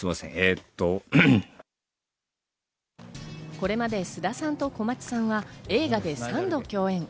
これまで菅田さんと小松さんは映画で３度共演。